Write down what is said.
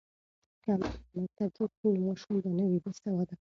که میندې مکتب جوړ کړي نو ماشوم به نه وي بې سواده.